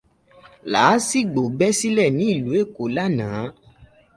Làásìgbò bẹ́ sílẹ̀ nílùú Ẹ̀kọ́ lánàá.